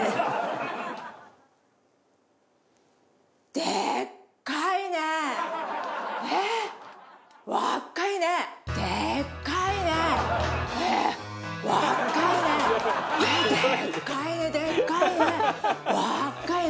でっかいねでっかいね！